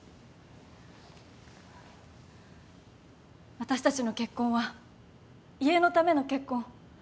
私たちの結婚は家のための結婚。